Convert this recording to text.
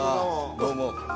どうも。